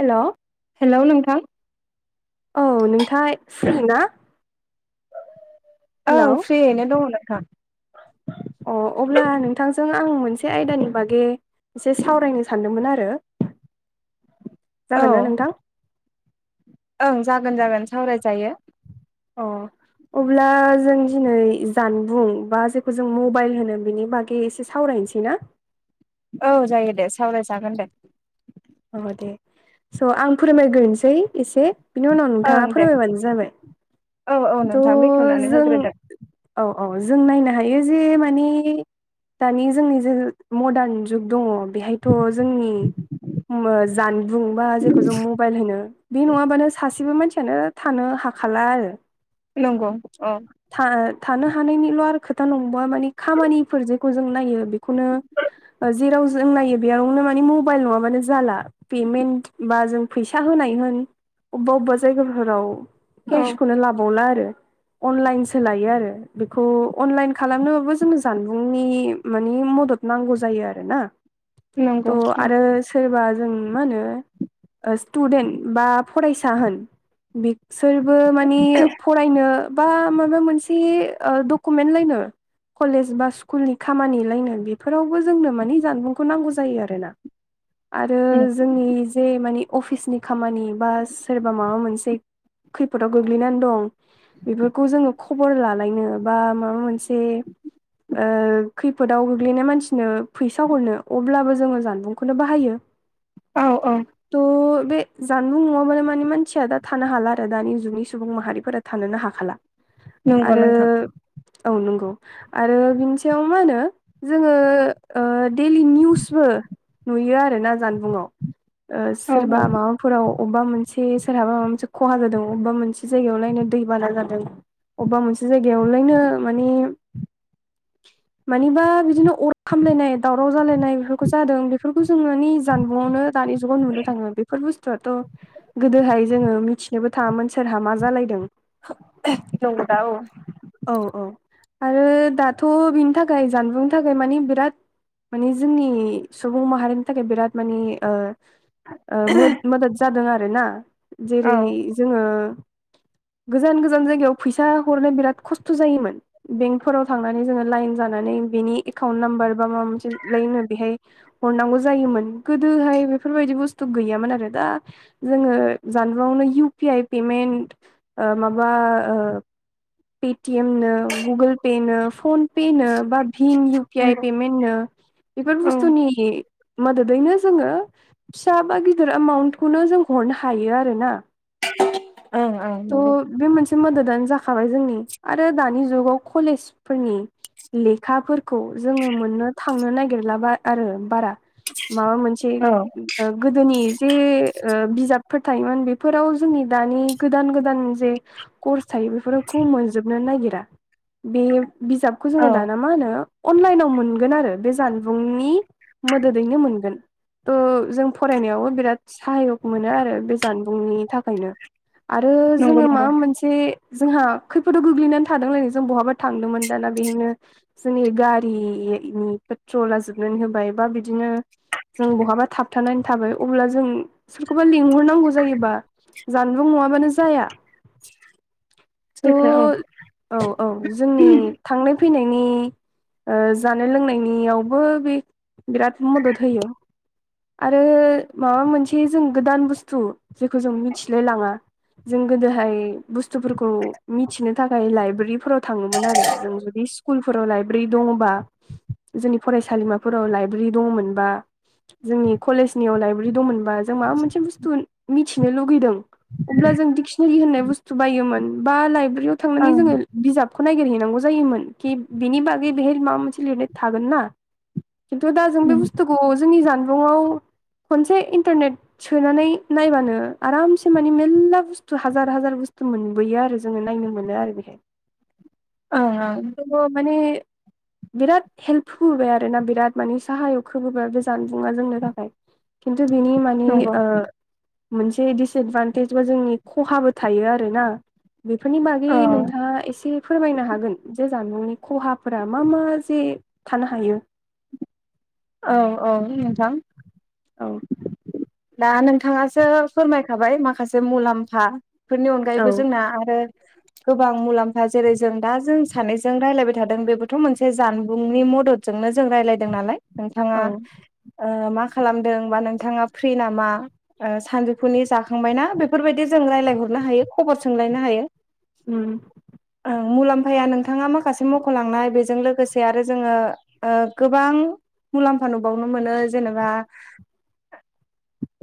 हेल' hello नोंथां? औ नोंथांया फिरि ना? हेलौ ओं फ्रियैनो दंङ नोंथां। अ अब्ला नोंथांजों आं मोनसे आयदानि बागै एसे सावरायनो सानदोंमोन आरो औ जागोन ना नोंथां? ओं जागोन जागोन सावराय जायो। अ अब्ला जों दिनै जानबुं बा जेखौ जों मबाइल होनो बिनि बागै एसे सावरायनोसै ना? औ जायो दे सावरायजागोन दे। औ दे स' आं फोरमायग्रोनोसै एसे बिनि उनाव नोंथांङा ओं दे फोरमायबानो जाबाय। औ औ नोंथां थ' बेखेवनानै जों होग्रोदो औ औ जों नायनो हायो जे मानि दानि जोंनि जे मदार्न जुग दंङ। बेहायथ' जोंनि जानबुं बा जेखौ ज' मबाइल होनो बे नंङाबानो सासेबो मानसियानो थानो हाखाला आरो। नोंगौ अ? थ थानो हानायनिल' आरो खोथा नंबा मानि खामानिफोर जेखौ जों नायो बे खौनो जेराव जों नायो बेयावनो मानि मबाइल नंङाबानो जाला। पेमेन्ट बा जों फैसा होनाय होन अबेबा अबेबा जायगाफोराव। औ केसखौनो लाबावला आरो अनलाइनसो लायो आरो। बेखौ अनलाइन खालामनोबाबो जोंनो जानबुंनि मानि मदद नांगौ जायो आरो ना। नंगौ त' आरो सोरबा जों मा होनो स्टुदेन्ट बा फरायसा होन बे-' सोरबो माने फरायनो बा माबा मोनसे आ डकुमेन्ट लायनो कलेज बा स्कुलनि खामानि लायनाय बेफोरावबो जोंनो माने जानबुंखौ नांगौ जायो आरो ना। आरो औ जोंनि जे माने अफिसनि खामानि बा सोरबा माबा मोनसे खैफोदाव गोग्लैनानै दं। बेफोरखौ जोंङो खबर लालायनो बा माबा मोनसे आ खैफोदाव गोग्लैनाय मानसिनो फैसा हरनो अब्लाबो जोंङो जानबुंखौनो बाहायो। औव औव। थ' बे जानबुं नंङाबानो माने मानसिया दा थानो हाला आरो दानि जुनि सुबुं माहारिफोरा थानोनो हाखाला नंगौ आरो नोंथां औ नंगौ आरो बिनि सायाव मा होनो जोंङो ओ डेलि निउसबो नुयो आरो ना जानबुंङाव औ सोरबा औ माबा फोराव अबबा मोनसे सोरहाबा माबा मोनसे खहा जादों अबबा मोनसे जायगायावलायनो। दैबाना जादों अबबा मोनसे जायगायावलायनो माने मानिबा बिदिनो अर खामलायनाय दावराव जालायनाय बेफोरखौ जादों बेफोरखौ जों मानि जानबुंआवनो दानि जुगाव नुनो थाङो। बेफोर बुस्थुआथ' गोदोहाय जोङो मिथिनोबो थाङामोन सोरहा मा जालायदों। नंगोदा औ। औ औ आरो दाथ' बिनि थाखाय जानबुंनि थाखाय माने बिराद माने जोंनि सुबुं माहारिनि थाखाय बिराद माने ओ ओ मोद मदद जादों आरो ना। औ जेरै- जोङो गोजान-गोजान जायगायाव फैसा हरनो बिराद खस्थ' जायोमोन। बेंकफोराव थांनानै जोङो लाइन जानानै बेनि एकाउन्ट नाम्बार बा माबा मोनसेलाय होनो बेहाय हरनांगौ जायोमोन गोदोहाय बेफोरबायदि बुस्थु गैयामोन आरो ना। जोङो जानबुंआवनो इउ पि आइ पेमेन्ट ओ माबा ओ पेटिएमनो गुगोल पे नो फने पे नो, बा भिम इउ पि आइ नंगौ पेमेन्ट नो बेफोर औ बुस्थुनि मददैनो जोङो फिसा बा गिदिर एमाउन्टखौनो जों हरनो हायो आरोना। ओं ओं नंगौ थ' बे मोनसे मददानो जाखाबाय जोंनि आरो दानि जुगाव कलेजफोरनि लेखाफोरखौ जोङो मोननो थांनो नागिरलाबाय आरो बारा। माबा मोनसे औ उम ओ गोदोनि जे ओ बिजाबफोर थायोमोन। बेफोराव जोंनि दानि गोदान गोदान जे कर्स थायो बेफोरखौ मोनजोबनो नागिरा बे बिजाबखौ औ जोङो दाना मा होनो। अनलाइनाव मोनगोन आरो बे जानबुंनि मोदोदैनो मोनगोन। थ' जों फरायनायावबो बिराद साहायक मोनो आरो बे जानबुंनि थाखायनो आरो नंगौ जोङो नंगौ माबा मोनसे जोंहा खैफोदाव गोग्लैनानै थादोंलायनो जों बहाबा थांदोंमोन दाना बेहायनो जोंनि गारिनि पेट्रला जोबनानै होबाय बा बिदिनो जों बहाबा थाबथानानै थाबाय अब्ला जों सोरखौबा लिंहरनांगौ जायोबा जानबुं नङाबानो जाया। थ' सैथो औ। औ औ। जोंनि थांनाय फैनायनि ओ जानाय लोंनायनियावबो बे बिराद मदद होयो। आरो माबा मोनसे जों गोदान बुस्थु जेखौ जों मिथिलाय लाङा जों गोदोहाय बुस्थुफोरखौ मिथिनो थाखाय लाइब्रेरिफोराव थाङोमोन आरो जों जुदि स्कुलफोराव लाइब्रेरि दङबा जोंनि फरायसालिमाफोराव लाइब्रेरि दङमोनबा जोंनि कलेजनियाव लाइब्रेरि दंमोनबा जों माबा मोनसे बुस्थु मिथिनो लुुगैदों अब्ला जों डिक्सिनारि होननाय बुस्थु बायोमोन। बा लाइब्रेरियाव थांनानै ओं जोङो बिजाबखौ नायगिरहैनांगौ जायोमोन खि बेनि बागै बेहाय माबा मोनसे लिरनाय थागोन ना। खिन्थु दा जों बे बुस्थुखौ जोंनि जानबुंआव खनसे इन्टारनेट सोनानै नायबानो आरामसे माने मेलला हाजार हाजार बुस्थु मोनबोयो आरो जोङो नायनो मोनो आरो बेहाय। औ औ। माने बिराद हेल्पुल आरो आरोना बिराद माने साहायक होबोबाय बे जानबुङा जोंनो थाखाय। खिन्थु बिनि माने नंगौ मोनसे दिडिसएदभान्टेज बा जोंनि खहाबो थायो आरोना। बेफोरनि बागै औ नोंथाङा एसे फोरमायनो हागोन जे जानबुंनि खहाफोरा मा मा जे थानो हायो। औ औ नोंथां। औ दा नोंथाङासो फोरमायखाबाय माखासे मुलाम्फा फोरनि औ अनगायैबो जोंना आरो [inaudible] गोबां मुलाम्फा जेरै जों दा जों सानैजों रायज्लायबाय थादों बेबोथ' मोनसे जानबुंनि मदद जोंनो जों रदों नालाय, औ नोंथाङा मा खालाम दोंबा नोंथाङा फ्रि नामा? सानजौफुनि जाखांबायना? बेफोरबायदि जों रायजलायहरनो हायो खबर सोंलायनो हायो। [unintelligible] ओं मुलाम्फाया नोंथाङा माखासे मख'लांनाय बेजों लोगोसे आरो जोङो गोबां मुलाम्फा नुबावनो मोनो जेनेबा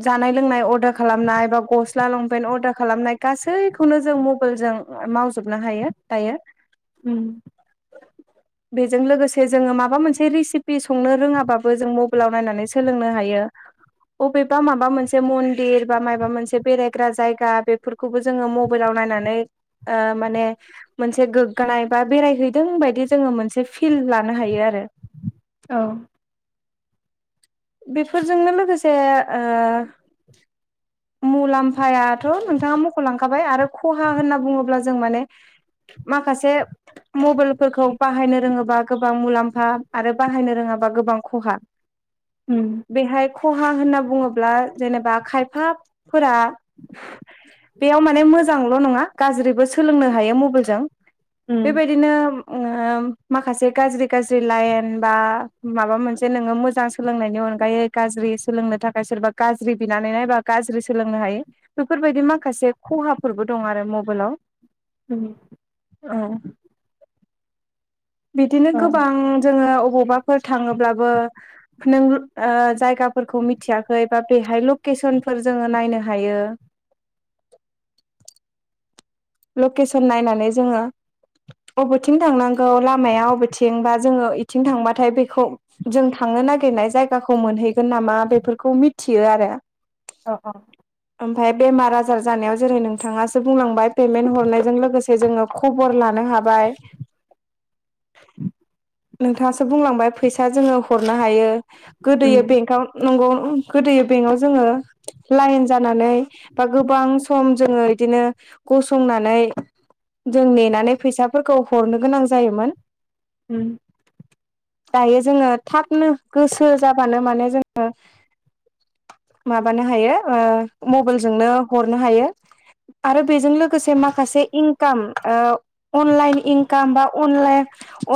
जानाय लोंनाय अर्दार खालामनाय बा गस्ला लंपेन् अर्दार खालामनाय गासैखौनो जों मबाइलजों मावजोबनो हायो दायो। [unintelligible] बेजों लोगोसे जोङो माबा मोनसे रेसिपि संनो रोङाबाबो जों मबाइलाव नायनानै सोलोंनो हायो। [inaudible] अबेबा माबा मोनसे मन्दिर बा मायबा मोनसे बेरायग्रा जायगा, बेफोरखौबो जोङो मबाइलाव नायनानै ओ माने मोनसे गोग्गानाय बा बेरायहैदों बायदि जोङो मोनसे फिल लानो हायो आरो। औ। बेफोरजोंनो लोगोसे ओ मुलाम्फायाथ' नोंथाङा मख'लांखाबाय आरो खहा होनना बुङोब्ला जों माने माखासे मबाइलफोरखौ बाहायनो रोङोबा गोबां मुलाम्फा, आरो बाहायनो रोङाबा गोबां खहा। [unintelligible] बेहाय खहा होनना बुङोब्ला जेनेबा खायफाफोरा बेयाव माने मोजांल' नङा गाज्रिबो सोलोंनो हायो मबाइलजों, उम बेबायदिनो माखासे गाज्रि गाज्रि लाइन बा माबा मोनसे नोङो मोजां सोलोंनायनि अनगायै गाज्रि सोलोंनो थाखाय सोरबा गाज्रि बिनानैनो ए बा गाज्रि सोलोंनो हायो। बेफोरबायदि माखासे खहाफोरबो दं आरो मबाइलाव। [unintelligible] औ। बिदिनो अ गोबां जोङो अबावबाफोर थाङोब्लाबो नों जायगाफोरखौ मिथियाखै बा बेहाय लकेसनफोर जोङो नायनो हायो। लकेसन नायनानै जोङो बबेथिं थांनांगौ लामाया अबेथिं बा जोङो बेथिं थांबाथाय बेखौ जों थांनो नागिरनाय जायगाखौ मोनहैगोन नामा? बेफोरखौ मिथियो आरो। औ औ। ओमफ्राय बेमार आजार जानायाव जेरै नोंथाङासो बुंलांबाय पेमेन्ट हरनायजों लोगोसे जोङो खबर लानो हाबाय नोंथाङासो बुंलांबाय फैसा जोङो हरनो हायो गोदो उम बेंकआव नंगौ गोदोयो बेंकआव जोङो लाइन जानानै बा गोबां सम जोङो इदिनो गसंनानै जों नेनानै फैसाफोरखौ हरनो गोनां जायोमोन। उम दायो जोङो थाबनो गोसो जाबानो माने जोङो माबानो हायो ओ मबाइल जोंनो हरनो हायो। आरो बेजों लोगोसे माखासे इनकाम ओ अनलाइन इनकाम बा अनलाइन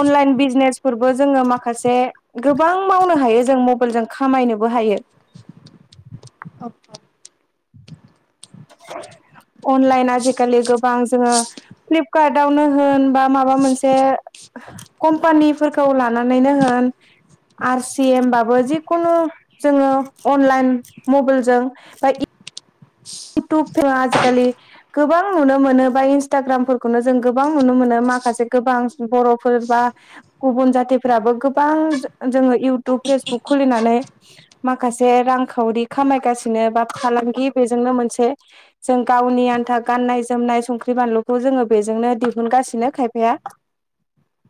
अनलाइन बिजनेस फोरबो जोङो माखासे गोबां मावनो हायो जों मबाइल जों खामायनोबो हायो। [unintelligible] अनलाइन आजिखालि गोबां जोङो फ्लिपकार्टआवनो होन बा माबा मोनसे कम्पानिफोरखौ लानानैनो होन आर सि एम बाबो जिखुनु जोङो अनलाइन मबाइलजों बा ईउटुबफोरा आजिखालि गोबां नुनो मोनो बा इन्सटाग्रामफोरखौनो जों गोबां नुनो मोनो माखासे गोबां बर'फोर बा गुबुन जाथिफ्राबो गोबां जो-जोङो इउटुब फेसबुक खुलिनानै माखासे रांखावरि खामायगासिनो बा फालांगि बेजोंनो मोनसे जों गावनि आन्था गाननाय जोमनाय संख्रि बानलुखौ जोङो बेजोंनो दिहुनगासिनो खायफाया। [inaudible]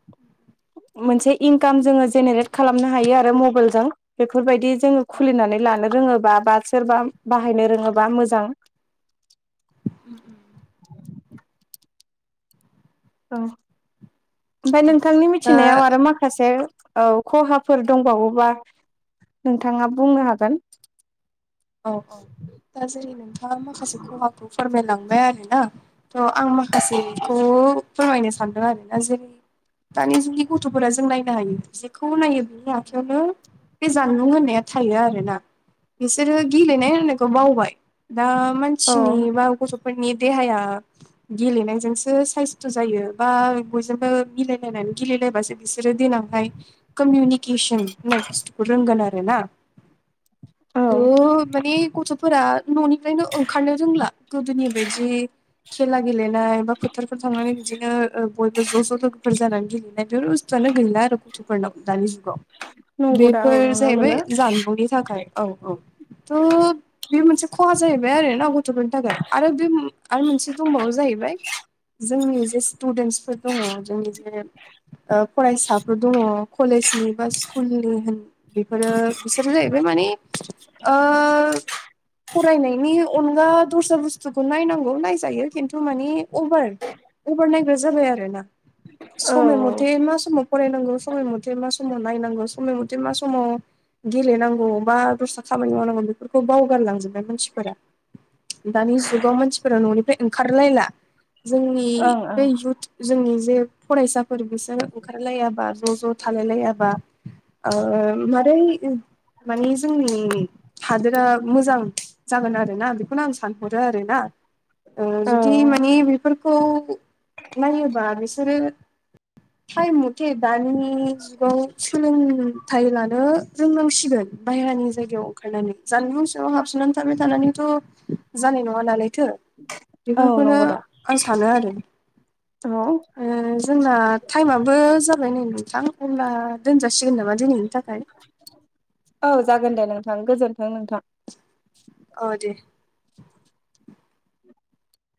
मोनसे इनकाम जोङो जेनेरेट खालामनो हायो आरो मबाइलजों बेफोरबायदि जोङो खुलिनानै लानो रोङोबा बा सोरबा बाहायनो रोङोबा मोजां। औ ओमफ्राय औ नोंथांनि दा मिथिनायाव आरो मा माखासे औ खहाफोर दंबावोबा नोंथाङा बुंनो हागोन औ औ दा जेरै नोंथाङा माखासे खहाखौ फोरमायलांबाय आरो ना। औ आं माखासेखौ फोरमायनो सानदों आरोना जेरै दानि जुगनि गथ'फोरा जों नायनो हायो जेखौ नायो बिनि आखायावनो बे जानबुं होननाया थायो आरोना। बिसोरो गेलेनाय होननायखौ बावबाय दा औ मानसिनि बा गथ'फोरनि देहाया गेलेनायजोंसो साइस्थ' जायो बा बयजोंबो मिलायलायनानै गेलेलायबासो बिसोरो देनांहाय कामिउनिकेसोन होननाय बुस्थुखौ रोंगोन आरो ना। फोरा न'निफ्रायनो ओंखारनो रोंला गोदोनि बायदि खेला गेलेनाय बा फोथारफोर थांनानै बिदिनो ओ बयबो ज' ज' लोगोफोर जानानै गेलेनाय बेफोर बुस्टुयानो गैला आरो गथ'फोरनाव दानि जुगाव। नंगौ दा बेफोर औ नुनो जाहैबाय मोनो जानबुंनि थाखाय औ औ थ' बे मोनसे खहा जाहैबाय आरो ना गथ'फोरनि थाखाय आरो बे आरो मोनसे दंबावो जाहैबाय जोंनि जे स्टुडेन्टसफोर दङ जोंनि जे ओ फरायसाफोर दङ कलेजनि बा स्कुलनि होन बेफोरो बिसोरो जाहैबाय माने ओ फरायनायनि अनगा दस्रा बुस्थुखौ नायनांगौ नायजायो खिन्थु माने अभार अभार नायग्रा जाबाय आरोना औ समाय मथे मा समाव फरायनांगौ समाय मथे मा समाव नायनांगौ समय मथे मा समाव गेलेनांगौ बा दस्रा खामानि मावनांगौ बेफोरखौ बावगारलांजोबबाय मानसिफोरा। दानि जुगाव मानसिफोरा न'निफ्राय ओंखारलायला। जोंनि ओं बे ओं इयुथ जोंनि जे फरायसा- फोर बिसोर ओंखारलायाबा ज' ज' थालाय लायाबा ओ मारै मानि जोंनि हादोरा मोजां जागोन आरोना बेखौनो आं सानहरो आरोना ओ औ जुदि माने बेफोरखौ नायोबा बिसोरो थायम मथे दानि जुगाव सोलोंथाइ लानो रोंनांसिगोन। बायहेरानि जायगायाव ओंखारनानै जानबुं सिङाव हाबसोनानै थाबाय थानानैथ' जानाय नङा नालायथो। औ बेफोरखौनो नंगौ दा आं सानो आरो। औ ओ जोंना टाइमाबो जाबाय नै नोंथां अब्ला दोनजासिगोन नामा दिनैनि थाखाय? औ जागोन दे नोंथां गोजोन्थों नोंथां। औ दे।